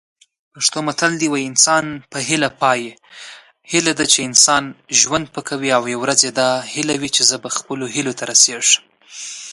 وزګار کسان ریپارټیمنټو او نورو بېګاریو ته معرفي کېدل.